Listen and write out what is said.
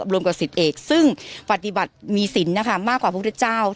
รวมกับสิทธิเอกซึ่งปฏิบัติมีศิลป์นะคะมากกว่าพระพุทธเจ้า